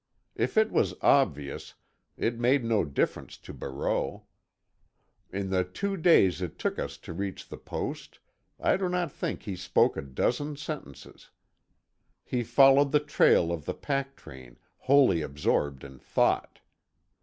If it was obvious, it made no difference to Barreau. In the two days it took us to reach the post, I do not think he spoke a dozen sentences. He followed the trail of the packtrain, wholly absorbed in thought.